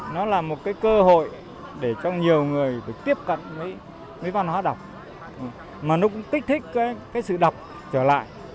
nó là một cơ hội để cho nhiều người tiếp cận với văn hóa đọc mà nó cũng tích thích sự đọc trở lại